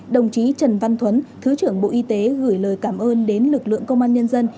đồng chí trần văn thuấn thứ trưởng bộ y tế gửi lời cảm ơn đến lực lượng công an nhân dân